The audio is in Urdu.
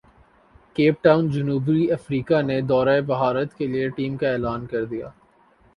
کیپ ٹائون جنوبی افریقہ نے دورہ بھارت کیلئے ٹیم کا اعلان کردیا